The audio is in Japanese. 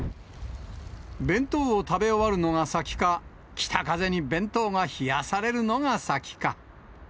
弁当を食べ終わるのが先か、北風に弁当が冷やされるのが先か。